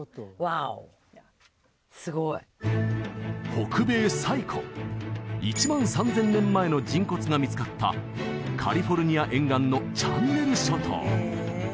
北米最古１万３０００年前の人骨が見つかったカリフォルニア沿岸のチャンネル諸島